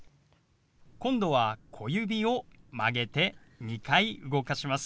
今度は小指を曲げて２回動かします。